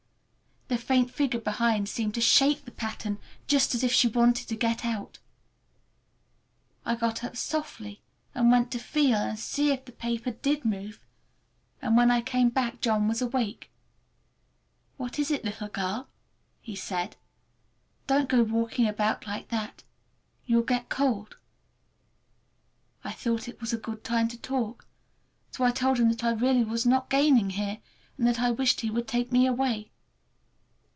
The faint figure behind seemed to shake the pattern, just as if she wanted to get out. I got up softly and went to feel and see if the paper did move, and when I came back John was awake. "What is it, little girl?" he said. "Don't go walking about like that—you'll get cold." I thought it was a good time to talk, so I told him that I really was not gaining here, and that I wished he would take me away.